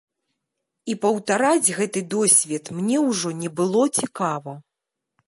І паўтараць гэты досвед мне ўжо не было цікава.